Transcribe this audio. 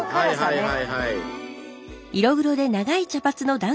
はいはいはいはい。